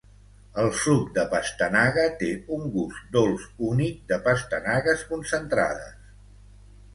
El suc de pastanaga té un gust dolç únic de pastanagues concentrades.